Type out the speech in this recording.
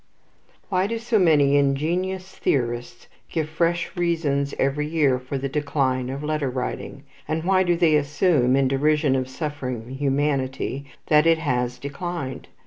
Why do so many ingenious theorists give fresh reasons every year for the decline of letter writing, and why do they assume, in derision of suffering humanity, that it has declined?